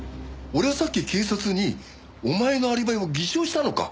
俺はさっき警察にお前のアリバイを偽証したのか？